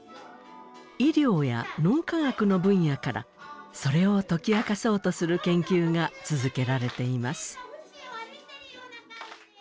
医療や脳科学の分野からそれを解き明かそうとする研究が続けられています。